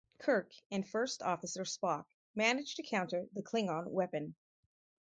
Kirk and First Officer Spock manage to counter the Klingon weapon.